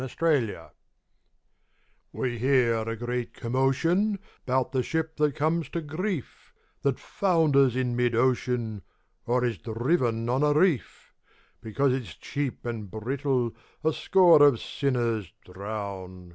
0 Autoplay We hear a great commotion 'Bout the ship that comes to grief, That founders in mid ocean, Or is driven on a reef; Because it's cheap and brittle A score of sinners drown.